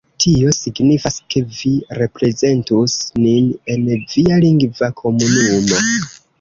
Tio signifas, ke vi reprezentus nin en via lingva komunumo